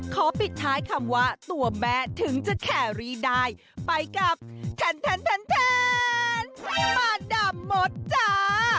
ขอปิดท้ายคำว่าตัวแม่ถึงจะแข่รีได้ไปกับแทนแทนแทนแทนมาด่าหมดจ้า